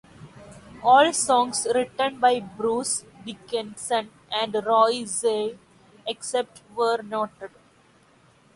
All songs written by Bruce Dickinson and Roy Z, except where noted.